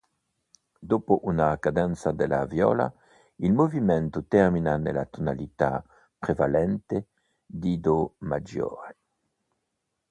Dopo una cadenza della viola, il movimento termina nella tonalità prevalente di do maggiore.